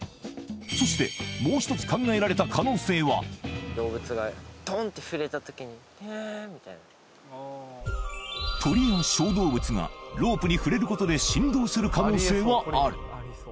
そしてもうひとつ考えられた可能性は鳥や小動物がロープに触れることで振動する可能性はある